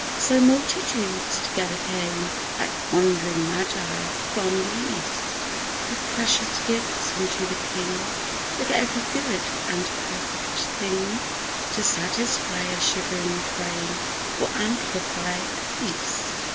So multitudes together came, Like wandering magi from the East With precious gifts unto the King, With every good and perfect thing To satisfy a shivering frame Or amplify a feast.